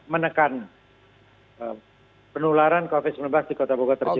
menekan penularan covid sembilan belas di kota bogor tersebut